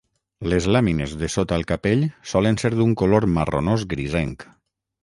Les làmines de sota el capell solen ser d'un color marronós grisenc.